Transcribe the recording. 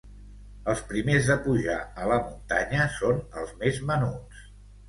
Els primers de pujar a la muntanya són els més menuts.